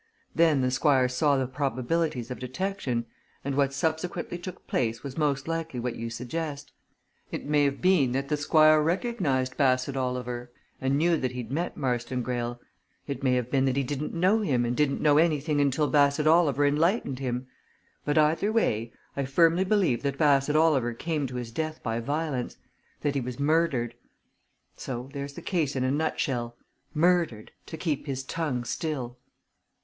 Then the Squire saw the probabilities of detection and what subsequently took place was most likely what you suggest. It may have been that the Squire recognized Bassett Oliver, and knew that he'd met Marston Greyle; it may have been that he didn't know him and didn't know anything until Bassett Oliver enlightened him. But either way I firmly believe that Bassett Oliver came to his death by violence that he was murdered. So there's the case in a nutshell! Murdered! to keep his tongue still."